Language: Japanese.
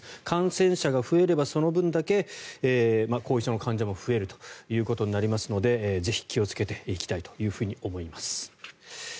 感染者が増えれば、その分だけ後遺症の患者も増えるということになりますのでぜひ気をつけていきたいと思います。